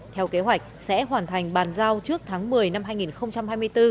theo kế hoạch sẽ hoàn thành bàn giao trước tháng một mươi năm hai nghìn hai mươi bốn